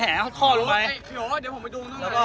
เหอยพอผมไม่ชอบ